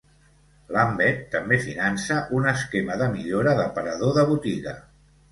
Lambeth també finança un esquema de millora d'aparador de botiga.